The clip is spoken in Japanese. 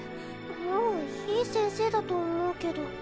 もういい先生だと思うけど？